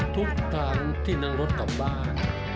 ทุกทางที่นั่งรถกลับบ้าน